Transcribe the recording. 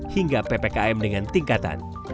hingga ppkm dengan tingkatan